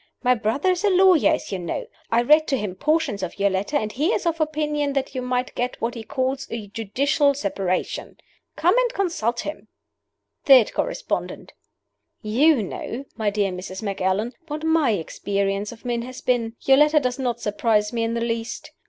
My brother is a lawyer, as you know. I read to him portions of your letter, and he is of opinion that you might get what he calls a judicial separation. Come and consult him." THIRD CORRESPONDENT: "YOU know, my dear Mrs. Macallan, what my experience of men has been. Your letter does not surprise me in the least.